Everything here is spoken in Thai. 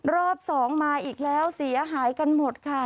รอบสองมาอีกแล้วเสียหายกันหมดค่ะ